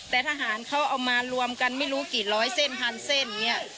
แต่ทหารเขาเอามารวมกันไม่รู้กี่ร้อยเส้นพันเส้นอย่างนี้